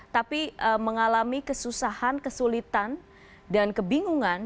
tapi mengalami kesusahan kesulitan dan kebingungan